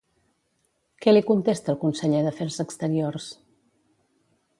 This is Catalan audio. Què li contesta el conseller d'Afers Exteriors?